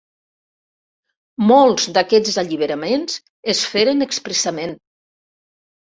Molts d'aquests alliberaments es feren expressament.